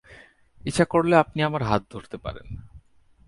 ইচ্ছা করলে আপনি আমার হাত ধরতে পারেন।